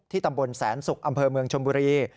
ตำบลแสนศุกร์อำเภอเมืองชมบุรี